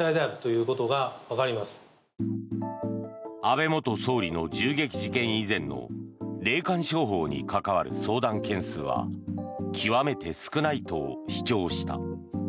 安倍元総理の銃撃事件以前の霊感商法に関わる相談件数は極めて少ないと主張した。